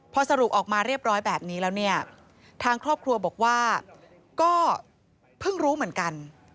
พอสรุปออกมาเรียบร้อยแบบนี้แล้วเนี่ยทางครอบครัวบอกว่าก็เพิ่งรู้เหมือนกัน